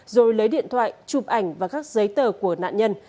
rồi lấy điện thoại chụp ảnh và các giấy tờ của nạn nhân